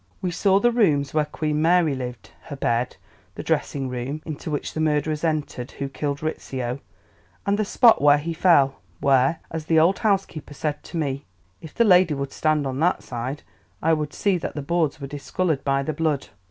"We saw the rooms where Queen Mary lived, her bed, the dressing room into which the murderers entered who killed Rizzio, and the spot where he fell, where, as the old housekeeper said to me, 'If the lady would stand on that side,' I would see that the boards were discoloured by the blood.